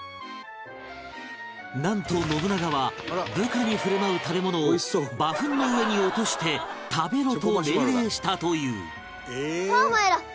なんと信長は部下に振る舞う食べ物を馬フンの上に落として「食べろ」と命令したという